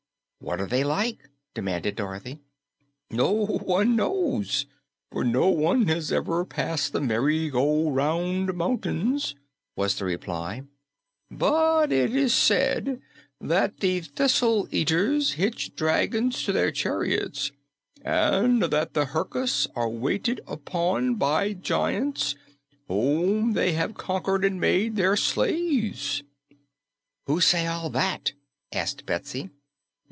"What are they like?" demanded Dorothy. "No one knows, for no one has ever passed the Merry Go Round Mountains," was the reply, "but it is said that the Thistle Eaters hitch dragons to their chariots and that the Herkus are waited upon by giants whom they have conquered and made their slaves." "Who says all that?" asked Betsy.